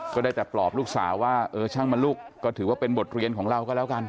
ก็ได้แต่ปลอบลูกสาวว่าเออช่างมันลูกก็ถือว่าเป็นบทเรียนของเราก็แล้วกัน